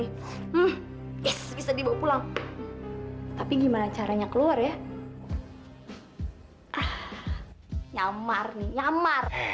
eh tadi kan gua nyuruh nyuruh nyuruh